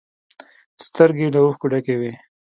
سترگې يې له اوښکو ډکې وې.